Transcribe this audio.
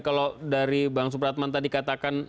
kalau dari bang supratman tadi katakan